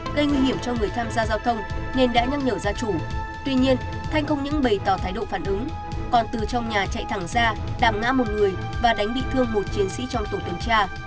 cho người tham gia giao thông nên đã nhắc nhở ra chủ tuy nhiên thanh không những bày tỏ thái độ phản ứng còn từ trong nhà chạy thẳng ra đạm ngã một người và đánh bị thương một chiến sĩ trong tổ tuần tra